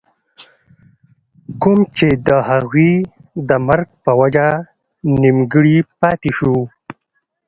کوم چې َد هغوي د مرګ پۀ وجه نيمګري پاتې شو